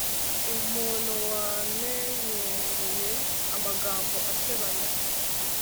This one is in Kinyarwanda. umuntu wamenyereye amagambo asebanya